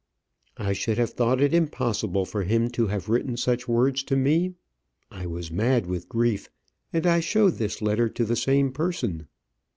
I should have thought it impossible for him to have written such words to me. I was mad with grief, and I showed this letter to the same person.